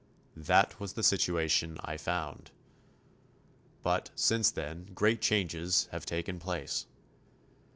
That was the situation I found. But, since then, great changes have taken place.